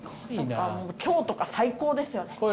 今日とか最高ですよね。